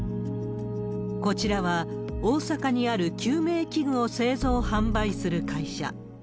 こちらは、大阪にある救命器具を製造・販売する会社。